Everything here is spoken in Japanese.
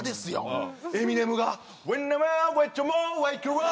エミネムが。